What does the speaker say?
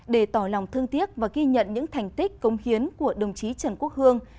để tỏ lòng thương tiếc và ghi nhận những thành tích công hiến của đồng chí trần quốc hương